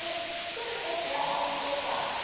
そうですねヘアゴムとか。